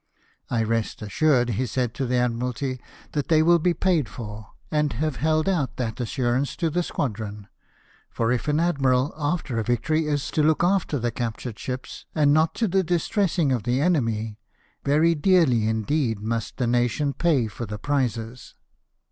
" I rest assured," he said to the Admiralty, "that they will be paid for, and have held out that assurance to the squadron. For if an admiral, after a victory, is to look after the captured ships, and not to the distress ing of the e*emy, very dearly indeed must the nation pay for the prizes.